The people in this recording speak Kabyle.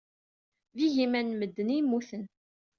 D igiman n medden ay yemmuten.